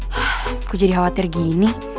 hah gue jadi khawatir gini